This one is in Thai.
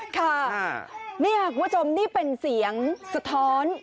ค่ะนี่คุณผู้ชมนี่เป็นเสียงสะท้อน